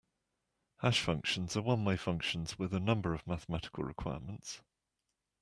Hash functions are one-way functions with a number of mathematical requirements.